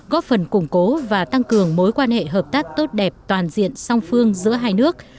góp phần củng cố và tăng cường mối quan hệ hợp tác tốt đẹp toàn diện song phương giữa hai nước